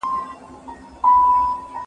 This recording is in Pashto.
که کار وکړئ نو خوشحاله به اوسئ.